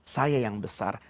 saya yang besar